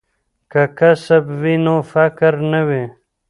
که کسب وي نو فقر نه وي.